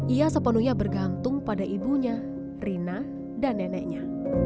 ia sepenuhnya bergantung pada ibunya rina dan neneknya